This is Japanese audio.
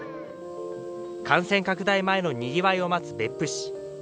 感染拡大前のにぎわいを待つ別府市。